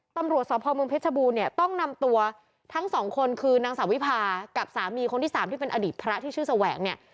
ตำรวจสพเมืองเพชรบูรณเนี่ยต้องนำตัวทั้งสองคนคือนางสาววิพากับสามีคนที่สามที่เป็นอดีตพระที่ชื่อแสวงเนี่ย